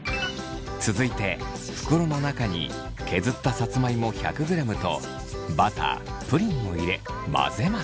続いて袋の中に削ったさつまいも１００ｇとバタープリンを入れ混ぜます。